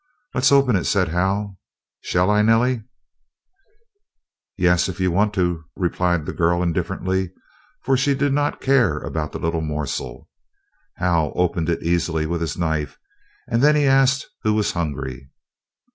"Let's open it," said Hal. "Shall I, Nellie?" "Yes, if you want to," replied the girl, indifferently, for she did not care about the little morsel. Hal opened it easily with his knife, and then he asked who was hungry.